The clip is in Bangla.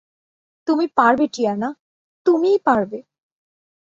তুমি পারবে টিয়ানা, তুমিই পারবে।